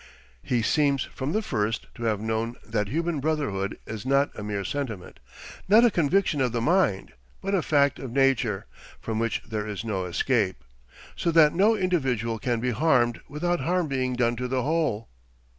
He seems from the first to have known that human brotherhood is not a mere sentiment, not a conviction of the mind, but a fact of nature, from which there is no escape; so that no individual can be harmed without harm being done to the whole.